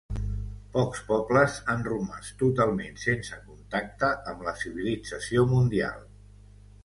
Pocs pobles han romàs totalment sense contacte amb la civilització mundial.